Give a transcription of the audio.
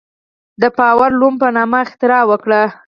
د پاور لوم په نامه اختراع وکړه.